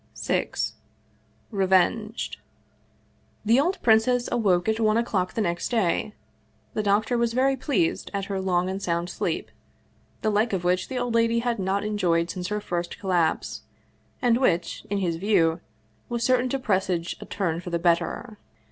VI REVENGED THE old princess awoke at one o'clock the next day. The doctor was very pleased at her long and sound sleep, the like of which the old lady had not enjoyed since her first collapse, and which, in his view, was certain to presage a turn for the better.